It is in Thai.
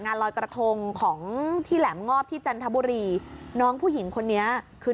งานลอยกระทงของที่แหลมงอบที่จันทบุรีน้องผู้หญิงคนนี้คือ